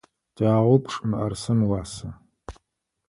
Тягъэупчӏ мыӏэрысэм ыуасэ.